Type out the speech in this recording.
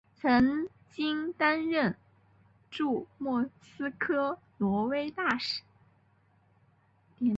曾经担任驻莫斯科挪威大使。